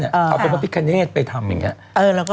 เอาเป็นพิการ์เนสไปทำอย่างนี้